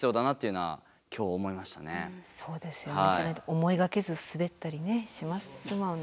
思いがけず滑ったりしますもんね。